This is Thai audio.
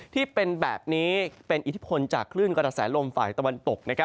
ที่เป็นแบบนี้เป็นอิทธิพลจากคลื่นกระแสลมฝ่ายตะวันตก